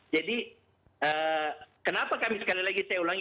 jadi kenapa kami sekali lagi saya ulangi